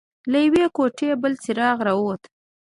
له يوې کوټې بل څراغ راووت.